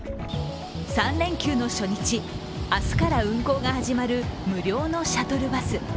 ３連休の初日、明日から運行が始まる無料のシャトルバス。